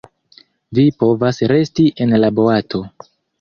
Vi povas resti en la boato.